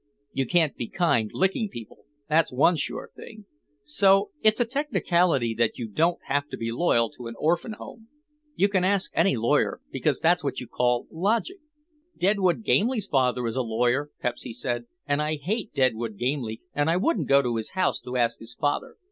You can't be kind licking people, that's one sure thing. So it's a teckinality that you don't have to be loyal to an orphan home. You can ask any lawyer because that's what you call logic." "Deadwood Gamely's father is a lawyer," Pepsy said, "and I hate Deadwood Gamely and I wouldn't go to his house to ask his father.